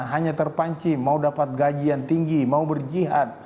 hanya terpanci mau dapat gajian tinggi mau berjihad